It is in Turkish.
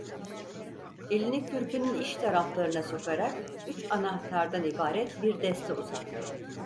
Elini kürkünün iç taraflarına sokarak üç anahtardan ibaret bir deste uzattı.